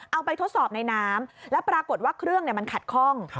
เอาไปทดสอบในน้ำแล้วปรากฏว่าเครื่องมันขัดข้อง